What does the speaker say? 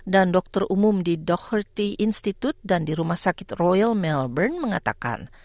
dan dokter umum di doherty institute dan di rumah sakit royal melbourne mengatakan